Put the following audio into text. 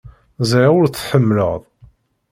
Ẓriɣ ur t-tḥemmleḍ.